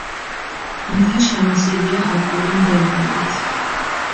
მთა შემოსილია ალპური მდელოებით.